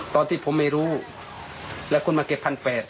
ตอนที่ผมไม่รู้แล้วคุณมาเก็บ๑๘๐๐